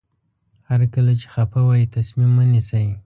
هر کله چې خفه وئ تصمیم مه نیسئ.